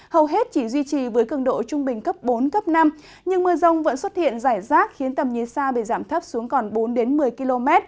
hầu hết chỉ duy trì với cường độ trung bình cấp bốn cấp năm nhưng mưa rông vẫn xuất hiện rải rác khiến tầm nhìn xa bị giảm thấp xuống còn bốn một mươi km